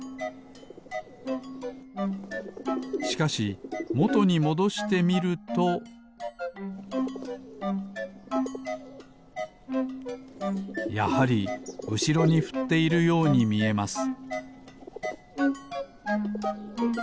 しかしもとにもどしてみるとやはりうしろにふっているようにみえます